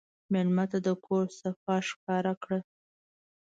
مېلمه ته د کور صفا ښکاره کړه.